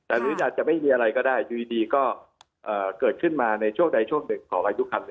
อาจจะไม่มีอะไรก็ได้อยู่ดีก็เกิดขึ้นมาในช่วงใดช่วงหนึ่ง